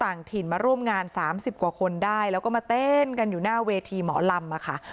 ต่างถิ่นมาร่วมงาน๓๐กว่าคนได้แล้วก็มาเต้นกันอยู่หน้าเวทีหมอลำค่ะ